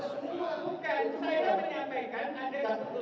tapi sekarang sekarang kita hadir sekarang kita hadir masalahnya ada yang disuruh